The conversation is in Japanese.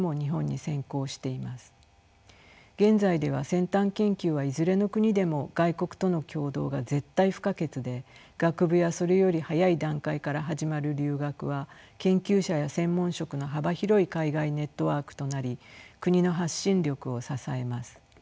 現在では先端研究はいずれの国でも外国との協働が絶対不可欠で学部やそれより早い段階から始まる留学は研究者や専門職の幅広い海外ネットワークとなり国の発信力を支えます。